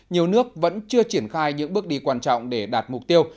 nhiều nước vẫn chưa triển khai những bước đi quan trọng để đạt mục tiêu